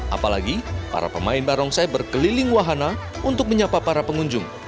apalagi para pemain barongsai berkeliling wahana untuk menyapa para pengunjung